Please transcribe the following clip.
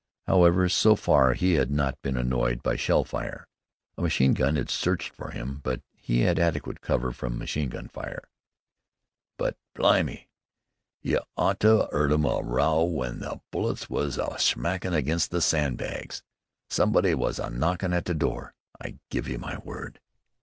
However, so far he had not been annoyed by shell fire. A machine gun had searched for him, but he had adequate cover from machine gun fire. "But, blimy! You ought to 'a' 'eard the row w'en the bullets was a smackin' against the sandbags! Somebody was a knockin' at the door, I give you my word!"